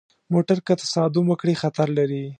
موټر که تصادم وکړي، خطر لري.